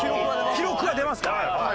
記録は出ますから。